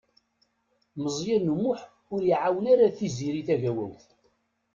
Meẓyan U Muḥ ur iɛawen ara Tiziri Tagawawt.